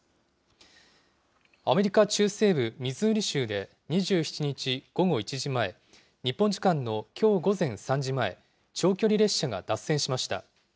アメリカ中西部ミズーリ州で、２７日午後１時前、日本時間のきょう午前３時前、長距離列車が脱線しました。